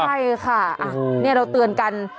ใช่ค่ะนี่เราเตือนกัน